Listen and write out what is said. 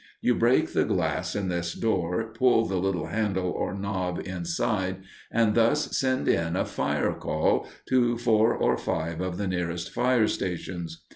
You break the glass in this door, pull the little handle or knob inside, and thus send in a "fire call" to four or five of the nearest fire stations.